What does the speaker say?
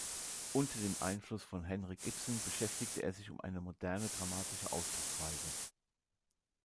Unter dem Einfluss von Henrik Ibsen beschäftigte er sich um eine moderne, dramatische Ausdrucksweise.